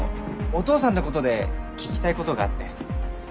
お父さんの事で聞きたい事があって。